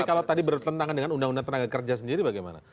tapi kalau tadi bertentangan dengan undang undang tenaga kerja sendiri bagaimana